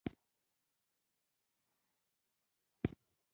لمسی د خدای شکر ادا کوي.